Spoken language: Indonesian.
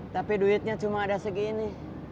tapi duitnya cuma ada segini